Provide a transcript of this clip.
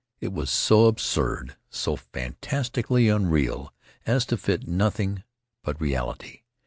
It was so absurd, so fantastically unreal as to fit nothing but reality.